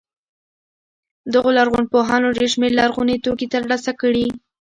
دغو لرغونپوهانو ډېر شمېر لرغوني توکي تر لاسه کړي.